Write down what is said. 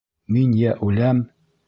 Мин йә үләм...